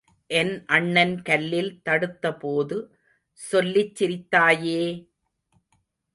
என் அண்ணன் கல்லில் தடுத்தபோது சொல்லிச் சிரித்தாயே!